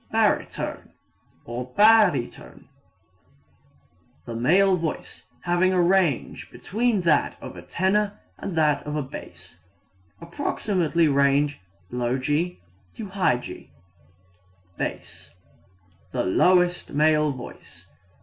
Baritone (or barytone) the male voice having a range between that of the tenor and that of the bass. Approximate range G g'. Bass the lowest male voice.